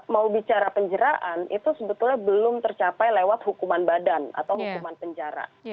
mau bicara penjeraan itu sebetulnya belum tercapai lewat hukuman badan atau hukuman penjara